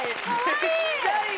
めっちゃいい！